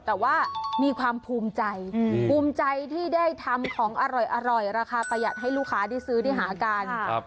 แต่ว่ามีความภูมิใจภูมิใจที่ได้ทำของอร่อยราคาประหยัดให้ลูกค้าได้ซื้อได้หากัน